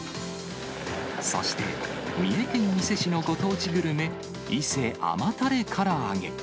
そして三重県伊勢市のご当地グルメ、伊勢甘タレからあげ。